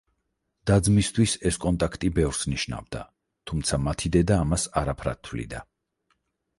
და-ძმისათვის ეს კონტაქტი ბევრს ნიშნავდა, თუმცა მათი დედა ამას არაფრად თვლიდა.